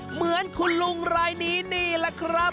เหมือนคุณลุงรายนี้นี่แหละครับ